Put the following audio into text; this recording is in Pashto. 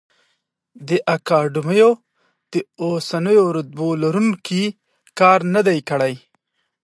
د اکاډمیو د اوسنیو رتبو لروونکي کار نه دی کړی.